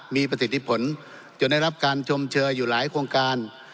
มีประสิทธิผลจนได้รับการชมเชยอยู่หลายโครงการ